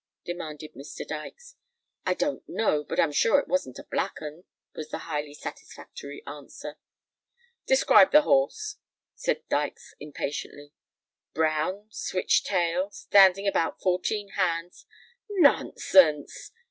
demanded Mr. Dykes. "I don't know—but I'm sure it wasn't a black 'un," was the highly satisfactory answer. "Describe his horse," said Dykes impatiently. "Brown—switch tail—standing about fourteen hands——" "Nonsense!"